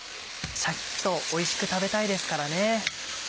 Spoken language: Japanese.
シャキっとおいしく食べたいですからね。